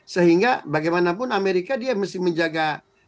sehingga bagaimanapun amerika dia mesti menjaga